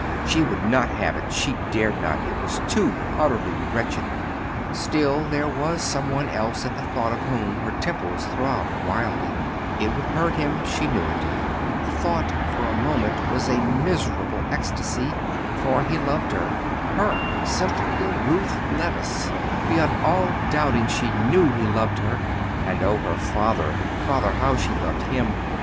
She would not have it; she dared not; it was too utterly wretched. Still, there was some one else at the thought of whom her temples throbbed wildly. It would hurt him; she knew it. The thought for a moment was a miserable ecstasy; for he loved her, her, simple Ruth Levice, beyond all doubting she knew he loved her; and, oh, father, father, how she loved him!